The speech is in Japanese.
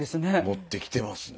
持ってきてますね。